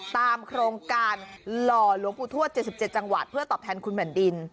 ตามโครงการหล่อหลวงปู่ทวด๗๗จังหวัดเพื่อตอบแทนคุณแผ่นดิน